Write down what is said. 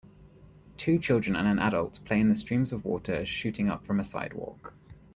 Two children and an adult play in the streams of water shooting up from a sidewalk.